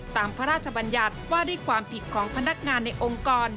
พระราชบัญญัติว่าด้วยความผิดของพนักงานในองค์กร